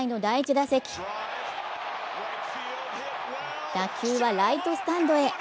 打球はライトスタンドへ。